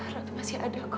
ratu masih ada kok